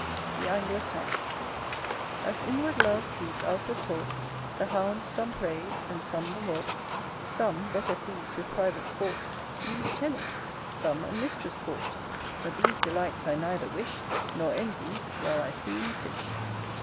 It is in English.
The Angler's song. As inward love breeds outward talk The hound some praise, and some the hawk Some, better pleas'd with private sport Use tennis, some a mistress court: But these delights I neither wish Nor envy, while I freely fish.